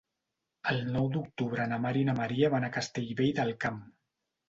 El nou d'octubre na Mar i na Maria van a Castellvell del Camp.